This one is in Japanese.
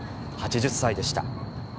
８０歳でした。